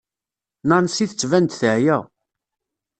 Nancy tettban-d teεya.